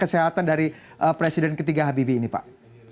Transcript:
kesehatan dari presiden ketiga habibie ini pak